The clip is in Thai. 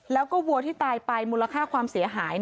แล้วก็วัวที่ตายไปมูลค่าความเสียหาย